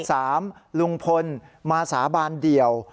สามลุงพลมาสาบานเดี่ยว